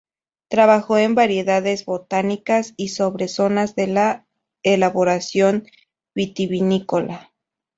Trabajó en variedades botánicas, y sobre zonas de elaboración vitivinícola.